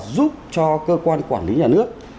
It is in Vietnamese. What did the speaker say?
giúp cho cơ quan quản lý nhà nước